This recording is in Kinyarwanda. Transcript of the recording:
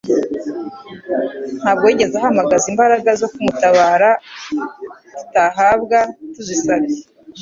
Ntabwo yigeze ahamagaza imbaraga zo kumutabara, tutahabwa tuzisabye.